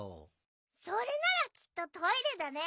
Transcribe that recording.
それならきっとトイレだね。